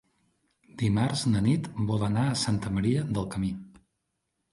Dimarts na Nit vol anar a Santa Maria del Camí.